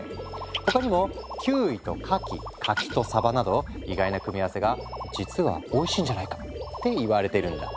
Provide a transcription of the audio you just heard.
他にもキウイとかき柿とサバなど意外な組み合わせが実はおいしいんじゃないかって言われてるんだ。